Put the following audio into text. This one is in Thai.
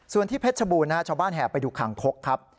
ส่วนที่เพชรชบูรณ์ชาวบ้านแห่ไปดูคางคกครับ